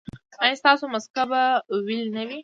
ایا ستاسو مسکه به ویلې نه وي؟